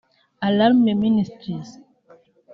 Alarm Ministries